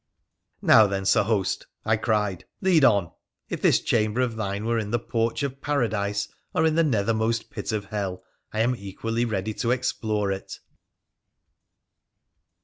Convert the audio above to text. ' Now then, Sir Host,' I cried, ' lead on ! If this chamber of thine were in the porch of paradise or in the nethermost pit of hell, I am equally ready to explore it.'